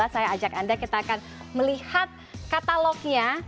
saya ajak anda kita akan melihat katalognya